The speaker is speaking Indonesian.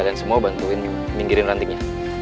semua bantuin minggirin rantingnya